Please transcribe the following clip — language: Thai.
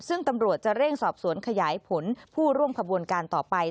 ซึ่งตำรวจจะเร่งสอบสวนขยายผลผู้ร่วมขบวนการต่อไป